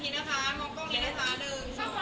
เราเป็นเครื่องสบายประโยชน์